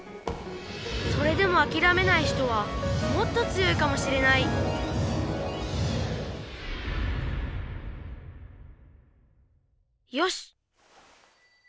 それでもあきらめない人はもっと強いかもしれないよし！